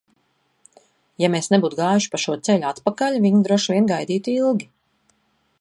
Ja mēs nebūtu gājuši pa šo ceļu atpakaļ, viņa droši vien gaidītu ilgi.